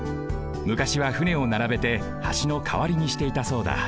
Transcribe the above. むかしは船をならべて橋のかわりにしていたそうだ。